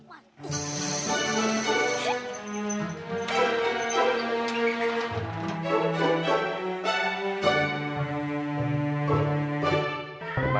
jangan duri kamu semua